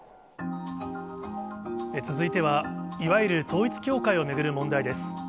続いては、いわゆる統一教会を巡る問題です。